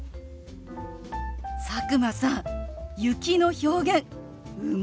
佐久間さん「雪」の表現うまいじゃない！